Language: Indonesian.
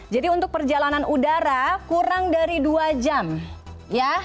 jadi untuk perjalanan udara kurang dari dua jam ya